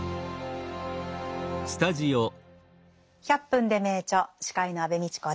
「１００分ｄｅ名著」司会の安部みちこです。